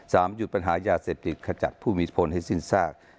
๓หยุดปัญหายาเศรษฐกิจขจัดผู้มีพลให้สิ้นซาก